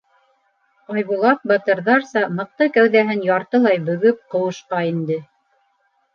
Айбулат батырҙарса мыҡты кәүҙәһен яртылай бөгөп ҡыуышҡа инде.